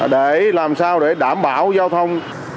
để làm sao để đảm bảo giao thông